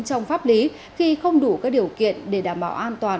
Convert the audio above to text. trong pháp lý khi không đủ các điều kiện để đảm bảo an toàn